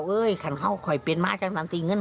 เอ้ยเคาน์เฮาขอยเป็นมากจังนานตีเงิน